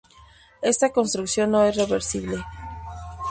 Esta construcción no es reversible.